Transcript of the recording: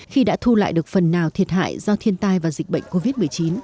khi đã thu lại được phần nào thiệt hại do thiên tai và dịch bệnh covid một mươi chín